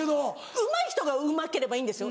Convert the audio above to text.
うまい人がうまければいいんですよ